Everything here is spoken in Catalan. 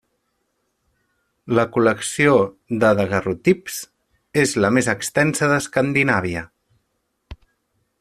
La col·lecció de daguerreotips és la més extensa d'Escandinàvia.